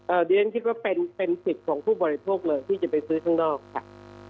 เดี๋ยวฉันคิดว่าเป็นเป็นสิทธิ์ของผู้บริโภคเลยที่จะไปซื้อข้างนอกค่ะ